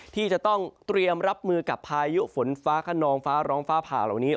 ที่จะต้องเตรียมรับมือกับพายุฝนฟ้าขนองฟ้าร้องฟ้าผ่าเหล่านี้